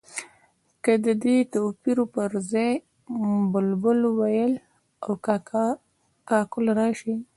که د دې تورو پر ځای بلبل، وېل او کاکل راشي.